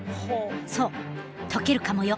そう溶けるかもよ。